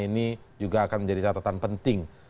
ini juga akan menjadi catatan penting